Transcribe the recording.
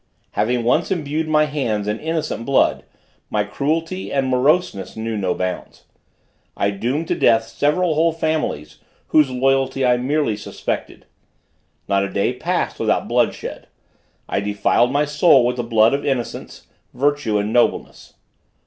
Having once imbued my hands in innocent blood, my cruelty and moroseness knew no bounds. I doomed to death several whole families, whose loyalty I merely suspected. Not a day passed without bloodshed. I defiled my soul with the blood of innocence, virtue and nobleness.